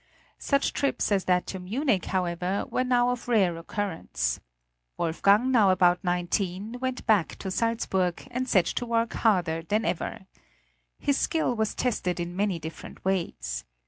Such trips as that to Munich however were now of rare occurrence. Wolfgang, now about nineteen, went back to Salzburg, and set to work harder than ever. His skill was tested in many different ways.